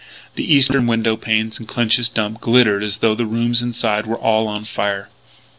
The eastern window panes in Clinch's Dump glittered as though the rooms inside were all on fire.